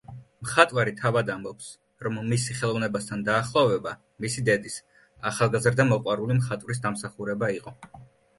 მხატვარი თავად ამბობს, რომ მისი ხელოვნებასთან დაახლოვება მისი დედის, ახალგაზრდა მოყვარული მხატვრის დამსახურება იყო.